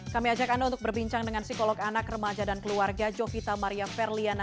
kami ajak anda untuk berbincang dengan psikolog anak remaja dan keluarga jovita maria ferliana